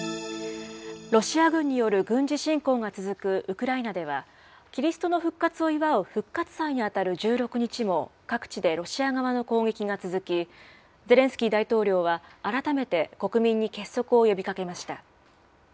ロシア軍による軍事侵攻が続くウクライナでは、キリストの復活を祝う復活祭に当たる１６日も各地でロシア側の攻撃が続き、ゼレンスキー大統領は改めて国民に結束を呼びかけました。